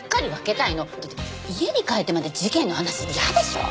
だって家に帰ってまで事件の話嫌でしょ？